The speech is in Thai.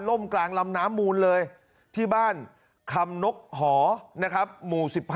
ล่มกลางลำน้ำมูลเลยที่บ้านคำนกหอหมู่๑๕